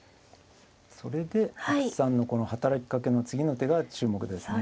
それで阿久津さんのこの働きかけの次の手が注目ですね。